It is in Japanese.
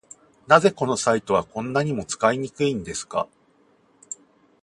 なぜこのサイトはこんなにも使いにくいんですか